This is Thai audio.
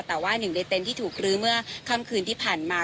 แต่ว่าหนึ่งในเต็นต์ที่ถูกลื้อเมื่อค่ำคืนที่ผ่านมา